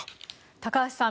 高橋さん